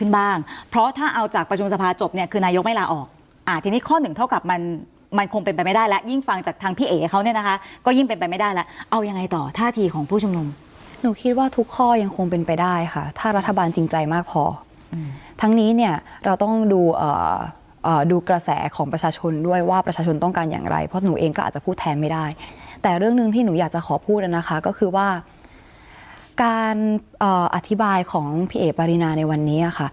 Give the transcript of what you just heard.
บ้างเพราะถ้าเอาจากประชุมสภาจบเนี่ยคือนายกไม่ลาออกอ่าทีนี้ข้อหนึ่งเท่ากับมันมันคงเป็นไปไม่ได้แล้วยิ่งฟังจากทางพี่เอกเขาเนี่ยนะคะก็ยิ่งเป็นไปไม่ได้แล้วเอายังไงต่อท่าทีของผู้ชุมนมหนูคิดว่าทุกข้อยังคงเป็นไปได้ค่ะถ้ารัฐบาลจริงใจมากพออืมทั้งนี้เนี่ยเราต้องดูอ่าดูกระแสของประชาช